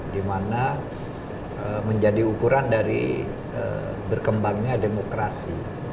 dimana menjadi ukuran dari berkembangnya demokrasi